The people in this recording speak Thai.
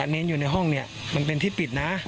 เน้นอยู่ในห้องเนี่ยมันเป็นที่ปิดนะ